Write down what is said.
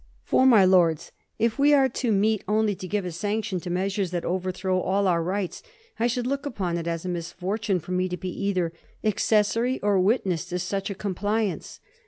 For, my Lords, if we are to meet only to give a sanction to measures that overthrow all our rights, I should look upon it as a misfortune for me to be either accessary or witness to such a compliance.